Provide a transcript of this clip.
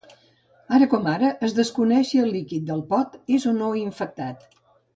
Ara com ara, es desconeix si el líquid del pot és o no infectat.